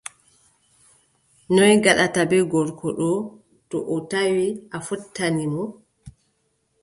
Noy ngaɗataa bee gorko ɗoo, to o tawi a fottani mo ?